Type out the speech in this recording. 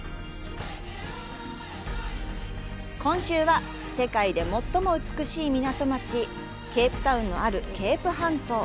今週は、世界で最も美しい港町ケープタウンのあるケープ半島。